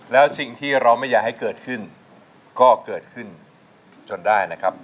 แล้วสิ่งที่เราไม่อยากให้เกิดขึ้นก็เกิดขึ้นจนได้นะครับ